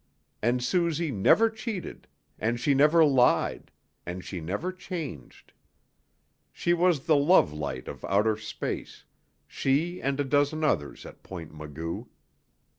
And Suzy never cheated, and she never lied, and she never changed. She was the love light of outer space, she and a dozen others at Point Magu.